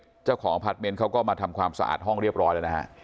เจ้าของพาร์ทเมนต์เขาก็มาทำความสะอาดห้องเรียบร้อยแล้วนะฮะ